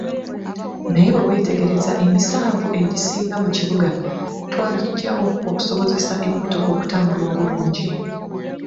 Naye bwe weetegereza emisanvu egisinga mu kibuga twagiggyawo okusobozesa emmotoka okutambula obulungi.